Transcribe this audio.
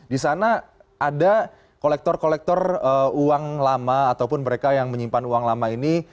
di sana ada kolektor kolektor uang lama ataupun mereka yang menyimpan uang lama ini